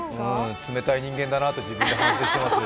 冷たい人間だなって、自分で反省してます。